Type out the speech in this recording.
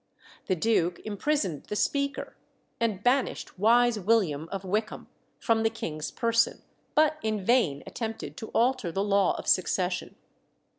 The duke imprisoned the Speaker, and banished wise William of Wyckeham from the king's person, but in vain attempted to alter the law of succession.